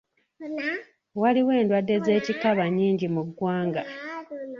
Waliwo endwadde z'ekikaba nnyingi mu ggwanga.